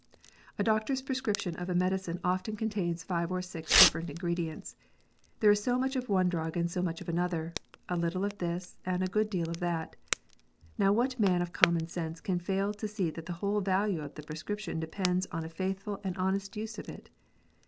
A doctor s prescription of a medicine often contains five or six diiferent ingredients. There is so much of one drug and so much of another ; a little of this, and a good deal of that. K"ow what man of common sense can fail to see that the whole value of the prescription depends on a faithful and honest use of it